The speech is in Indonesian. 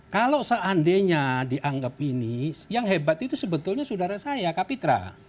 kalau seandainya dianggap ini yang hebat itu sebetulnya saudara saya kapitra